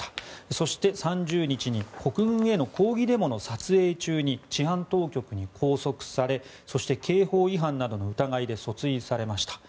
そして３０日に国軍への抗議デモの撮影中に治安当局に拘束されそして刑法違反などの疑いで訴追されました。